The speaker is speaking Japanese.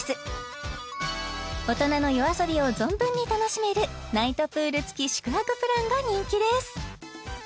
大人の夜遊びを存分に楽しめるナイトプール付き宿泊プランが人気です